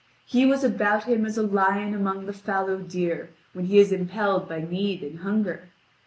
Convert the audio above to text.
He was about him as a lion among the fallow deer, when he is impelled by need and hunger.